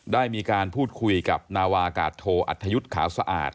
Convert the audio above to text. ได้มีการพูดคุยกับนาวากาศโทอัธยุทธ์ขาวสะอาด